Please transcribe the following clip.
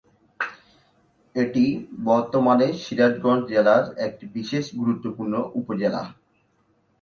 এটি বর্তমানে সিরাজগঞ্জ জেলার একটি বিশেষ গুরুত্বপূর্ণ উপজেলা।